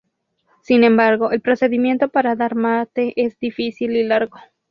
Sin embargo, el procedimiento para dar mate es difícil y largo.